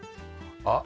あっ。